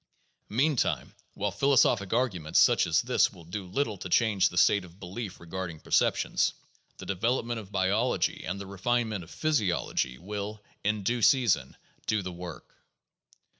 Meantime, while philosophic argument such as this will do little to change the state of belief regarding perceptions, the development of biology and the refinement of physiology will, in due season, do the work.